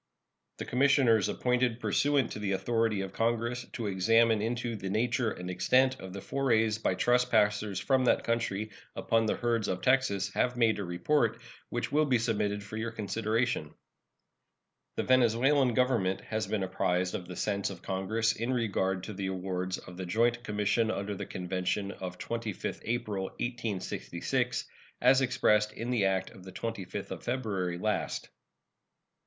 The commissioners appointed pursuant to the authority of Congress to examine into the nature and extent of the forays by trespassers from that country upon the herds of Texas have made a report, which will be submitted for your consideration. The Venezuelan Government has been apprised of the sense of Congress in regard to the awards of the joint commission under the convention of 25th April, 1866, as expressed in the act of the 25th of February last.